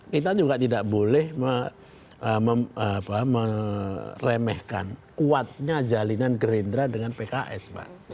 kita juga tidak boleh meremehkan kuatnya jalinan gerindra dengan pks